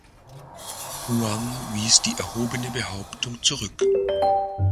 Huang wies die erhobene Behauptung zurück.